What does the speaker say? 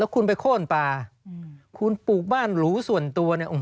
แล้วคุณไปโค้นปลาคุณปลูกบ้านหลูส่วนตัว